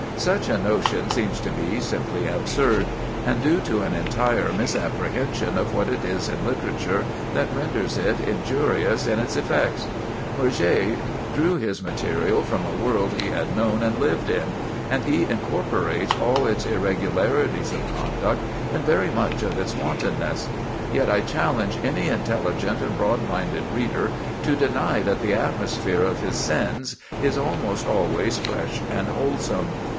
Such a notion seems to me simply absurd, and due to an entire misapprehension of what it is in literature that renders it injurious in its effects. Murger drew his material from a world he had known and lived in, and he incorporates all its irregularities of conduct, and very much of its wantonness. Yet I challenge any intelligent and broad minded reader to deny that the atmosphere of his "Scenes" is almost always fresh and wholesome.